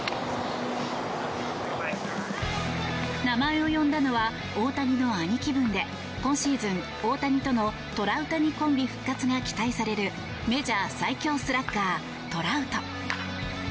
名前を呼んだのは大谷の兄貴分で今シーズン、大谷とのトラウタニコンビ復活が期待されるメジャー最強スラッガートラウト。